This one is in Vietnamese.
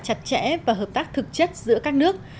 chặt chẽ và hợp tác thực chất giữa các nước